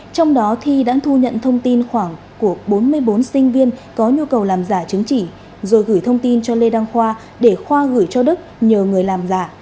trong đó thi đã thu nhận thông tin khoảng của bốn mươi bốn sinh viên có nhu cầu làm giả chứng chỉ rồi gửi thông tin cho lê đăng khoa để khoa gửi cho đức nhờ người làm giả